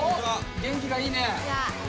元気がいいね。